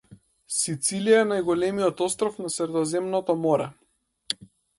Сицилија е најголемиот остров на Средоземното Море.